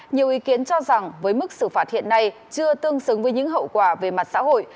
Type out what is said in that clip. nhiều ý kiến cho rằng với mức xử phạt hiện nay chưa tương xứng với những hậu quả về mặt xã hội